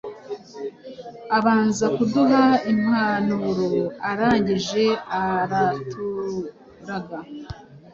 abanza kuduha impanuro arangije araturaga.